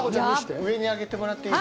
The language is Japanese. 上に上げてもらっていい？